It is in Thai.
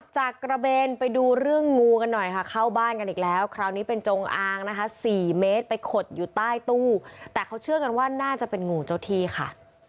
กระเบนไปดูเรื่องงูกันหน่อยค่ะเข้าบ้านกันอีกแล้วคราวนี้เป็นจงอางนะคะ๔เมตรไปขดอยู่ใต้ตู้แต่เขาเชื่อกันว่าน่าจะเป็นงูเจ้าที่ค่ะ